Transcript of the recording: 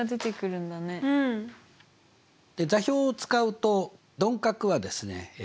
座標を使うと鈍角はですね